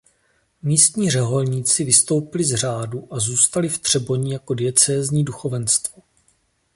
Místní řeholníci vystoupili z řádu a zůstali v Třeboni jako diecézní duchovenstvo.